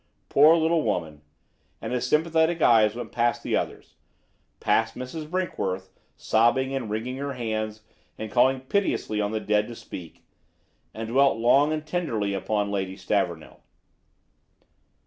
poor little woman!" And his sympathetic eyes went past the others past Mrs. Brinkworth, sobbing and wringing her hands and calling piteously on the dead to speak and dwelt long and tenderly upon Lady Stavornell.